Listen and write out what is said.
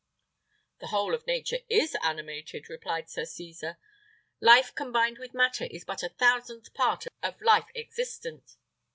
"The whole of nature is animated," replied Sir Cesar. "Life combined with matter is but a thousandth part of life existent.